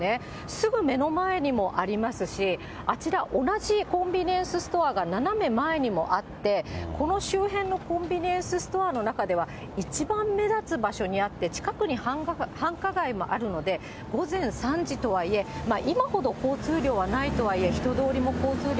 すぐ目の前にもありますし、あちら、同じコンビニエンスストアが斜め前にもあって、この周辺のコンビニエンスストアの中では一番目立つ場所にあって、近くに繁華街もあるので、午前３時とはいえ、そうですね。